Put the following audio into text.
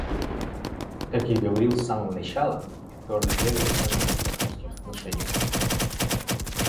Как я говорил с самого начала, я твердо верю в ценность партнерских отношений.